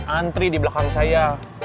antri di belakang saya